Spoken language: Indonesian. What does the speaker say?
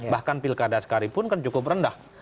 bahkan pilkada sekalipun kan cukup rendah